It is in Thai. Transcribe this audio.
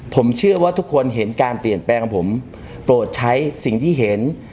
ผมเชื่อว่าทุกคนเห็นการเปลี่ยนแปลงของผมโปรดใช้สิ่งที่เห็น